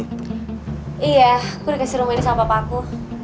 iya gue dikasih rumah ini sama papaku